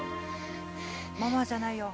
・ママじゃないよ。